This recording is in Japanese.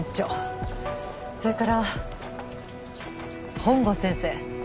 それから本郷先生。